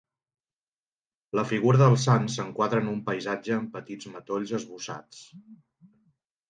La figura del sant s'enquadra en un paisatge amb petits matolls esbossats.